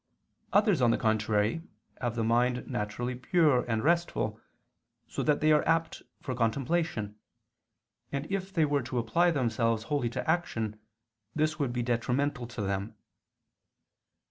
Others, on the contrary, have the mind naturally pure and restful, so that they are apt for contemplation, and if they were to apply themselves wholly to action, this would be detrimental to them.